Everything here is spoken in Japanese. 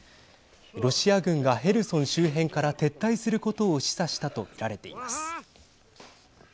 ロシア軍がヘルソン周辺から撤退することを示唆したと見られています。